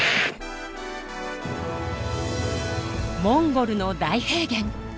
モンゴルの大平原。